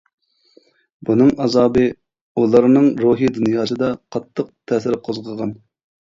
بۇنىڭ ئازابى ئۇلارنىڭ روھىي دۇنياسىدا قاتتىق تەسىر قوزغىغان.